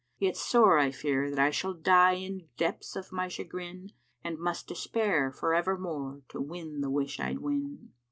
Yet sore I fear that I shall die in depths of my chagrin * And must despair for evermore to win the wish I'd win."